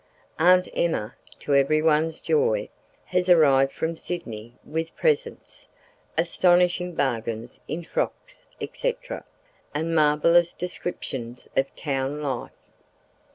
Aunt Emma (to everyone's joy) has arrived from Sydney with presents (astonishing bargains in frocks, etc.) and marvellous descriptions of town life.